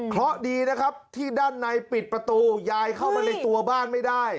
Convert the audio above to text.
เพราะดีนะครับที่ด้านในปิดประตูยายเข้ามาในตัวบ้านไม่ได้